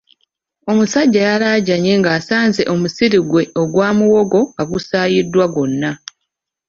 Omusajja y’alajjanye ng’asanze omusiri gwe ogwa muwongo nga gusaayiddwa gwonna.